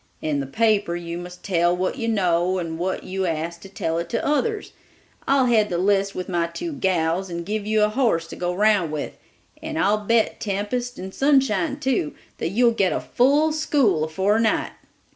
In the paper you must tell what you know and what you ask to tell it to others. I'll head the list with my two gals and give you a horse to go round with, and I'll bet Tempest, and Sunshine, too, that you'll get a full school afore night."